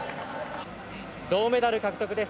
銅メダル獲得です。